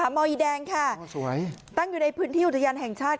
มอีแดงค่ะตั้งอยู่ในพื้นที่อุทยานแห่งชาติ